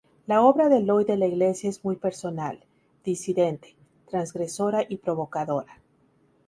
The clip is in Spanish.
La obra de Eloy De la Iglesia es muy personal, disidente, transgresora y provocadora.